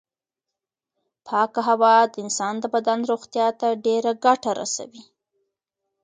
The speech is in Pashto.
پاکه هوا د انسان د بدن روغتیا ته ډېره ګټه رسوي.